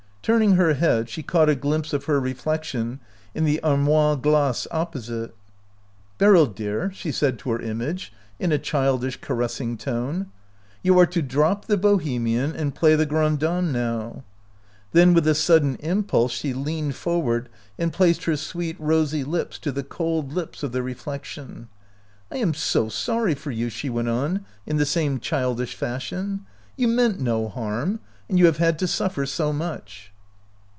Turning her head, she caught a glimpse of her reflection in the armoire glace opposite. " Beryl dear," she said to her image, in a childish, caressing tone, "you are to drop the Bohemian and play the grande dame now." Then with a sudden impulse she leaned forward and placed her sweet, rosy lips to the cold lips of the reflection. " I am so sorry for you!" she went on, in the 42 OUT OF BOHEMIA same childish fashion. "You meant no harm, and you have had to suffer so much!"